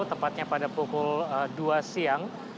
tepatnya pada pukul dua siang